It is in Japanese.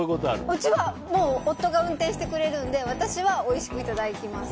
うちは夫が運転してくれるので私はおいしくいただきます。